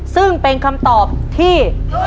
ซึ่งเป็นคำตอบที่